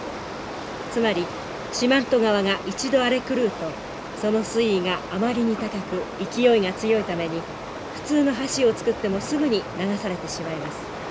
つまり四万十川が一度荒れ狂うとその水位があまりに高く勢いが強いために普通の橋を造ってもすぐに流されてしまいます。